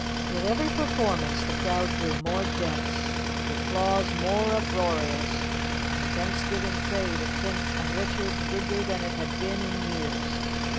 With every performance the crowd grew more dense, the applause more uproarious, and the Thanksgiving trade at Finch & Richard's bigger than it had been in years.